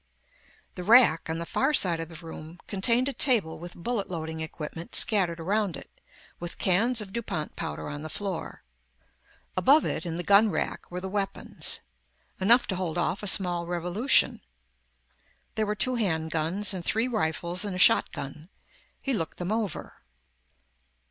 The rack, on the far side of the room, contained a table with bullet loading equipment scattered around it, with cans of DuPont powder on the floor. Above it, in the gun rack were the weapons enough to hold off a small revolution. There were two handguns and three rifles and a shotgun. He looked them over.